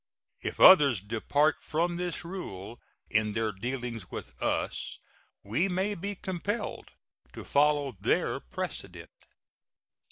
If others depart from this rule in their dealings with us, we may be compelled to follow their precedent.